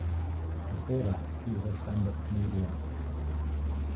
Before that, he was a stand-up comedian.